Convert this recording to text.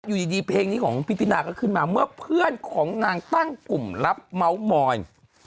อยู่ดีเพลงนี้ของพี่ตินาก็ขึ้นมาเมื่อเพื่อนของนางตั้งกลุ่มรับเมาส์มอย